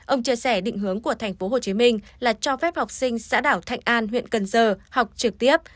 ông chia sẻ định hướng của tp hcm là cho phép học sinh xã đảo thạnh an huyện cần giờ học trực tiếp